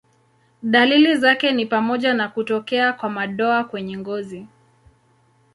Dalili zake ni pamoja na kutokea kwa madoa kwenye ngozi.